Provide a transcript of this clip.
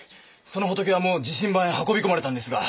その仏はもう自身番へ運び込まれたんですが。